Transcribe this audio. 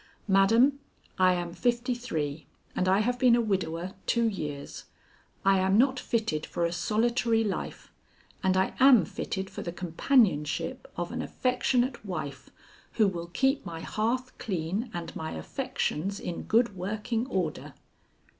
Madam, I am fifty three, and I have been a widower two years. I am not fitted for a solitary life, and I am fitted for the companionship of an affectionate wife who will keep my hearth clean and my affections in good working order.